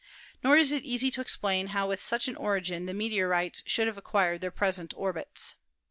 Nor is it easy to explain how with such an origin the meteorites should have acquired their present orbits.